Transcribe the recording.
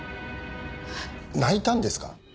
泣いたんですか？